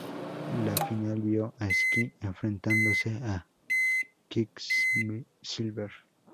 La final vio a Sky enfrentándose a Quicksilver.